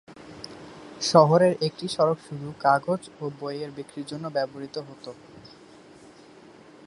শহরের একটি সড়ক শুধু কাগজ ও বইয়ের বিক্রির জন্য ব্যবহৃত হত।